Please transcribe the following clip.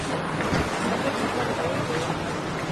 سڀ ٺڪر دوئي دو۔